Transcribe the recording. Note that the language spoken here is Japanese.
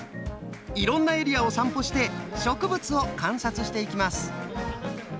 いろんなエリアを散歩して植物を観察していきます。